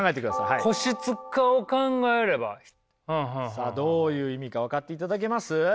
さあどういう意味か分かっていただけます？